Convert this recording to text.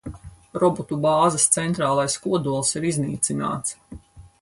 Robotu bāzes centrālais kodols ir iznīcināts.